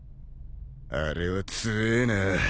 あれは強えな。